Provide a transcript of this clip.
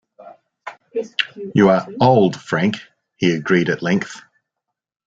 "You are old, Frank," he agreed at length.